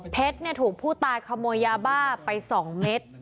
เพชรถูกผู้ตายขโมยยาบ้าไป๒เมตร